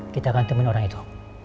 kita akan teman orang itu